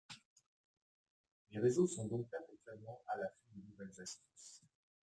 Les réseaux sont donc perpétuellement à l’affût de nouvelles astuces.